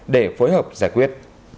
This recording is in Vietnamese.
để phối hợp giải quyết